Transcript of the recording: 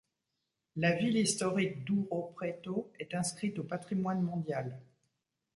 La ville historique d'Ouro Preto est inscrite au patrimoine mondial.